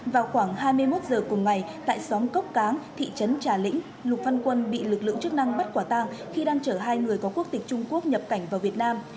vào khoảng hai mươi một giờ cùng ngày tại xóm cốc cáng thị trấn trà lĩnh lục văn quân bị lực lượng chức năng bắt quả tang khi đang chở hai người có quốc tịch trung quốc nhập cảnh vào việt nam